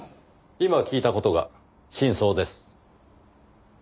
今聞いた事が真相です。